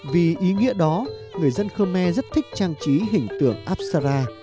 vì ý nghĩa đó người dân khơ me rất thích trang trí hình tượng apsara